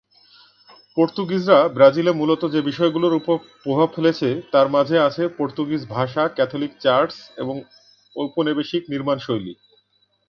পর্তুগিজরা ব্রাজিলে মূলত যে বিষয়গুলোর ওপর প্রভাব ফেলেছে, তার মাঝে আছে পর্তুগিজ ভাষা, ক্যাথলিক চার্চ, এবং ঔপনিবেশিক নির্মাণশৈলী।